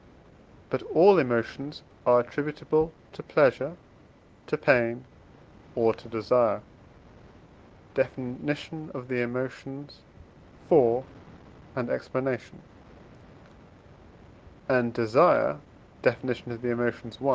But all emotions are attributable to pleasure, to pain, or to desire (Def. of the Emotions, iv. explanation); and desire (Def. of the Emotions, i.)